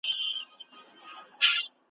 منت واخله، ولي منت مکوه ,